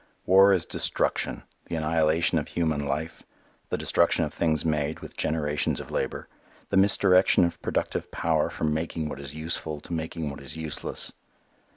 War is destruction the annihilation of human life, the destruction of things made with generations of labor, the misdirection of productive power from making what is useful to making what is useless.